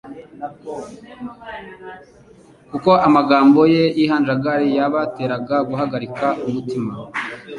Kuko amagambo ye y'ihanjagari yabateraga guhagarika umutima,